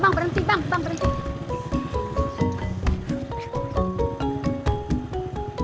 bang berhenti bang berhenti